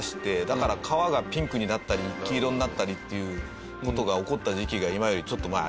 だから川がピンクになったり黄色になったりっていう事が起こった時期が今よりちょっと前。